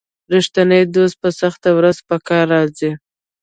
رښتینی دوست په سخته ورځ په کار راځي.